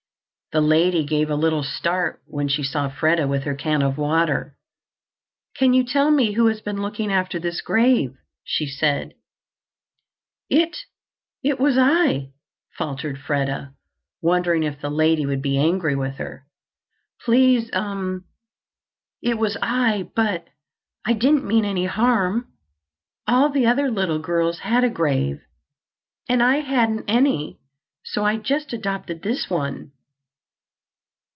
The lady gave a little start when she saw Freda with her can of water. "Can you tell me who has been looking after this grave?" she said. "It—it was I," faltered Freda, wondering if the lady would be angry with her. "Pleas'm, it was I, but I didn't mean any harm. All the other little girls had a grave, and I hadn't any, so I just adopted this one."